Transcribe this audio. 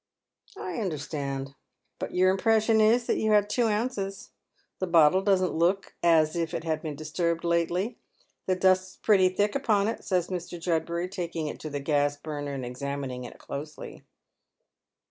" I understand. But your impression is that you had two ounces. The bottle doesn't look as if it had been disturbed lately ; the dust's pretty thick upon it," says Mr. Judbury, taking it to the gas burner and examining it closely.